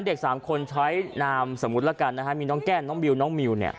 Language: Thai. เด็กสามคนใช้นามสมมุติแล้วกันนะฮะมีน้องแก้มน้องบิวน้องมิวเนี่ย